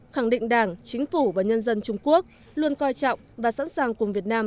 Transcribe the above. khẳng định đảng chính phủ và nhân dân trung quốc luôn coi trọng và sẵn sàng cùng việt nam